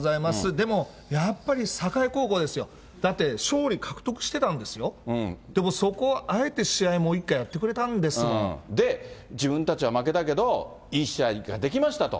でもやっぱり境高校ですよ、だって、勝利獲得してたんですよ、でも、そこをあえて試合をもう一回やっで、自分たちは負けたけど、いい試合ができましたと。